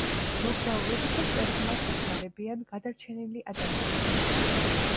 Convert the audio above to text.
მოგზაურობისას პერსონაჟს ეხმარებიან გადარჩენილი ადამიანები.